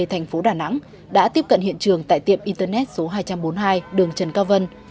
thành phố đà nẵng đã tiếp cận hiện trường tại tiệm internet số hai trăm bốn mươi hai đường trần cao vân